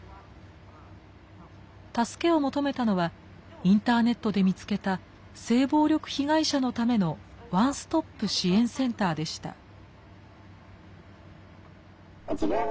助けを求めたのはインターネットで見つけた性暴力被害者のためのワンストップ支援センターでした。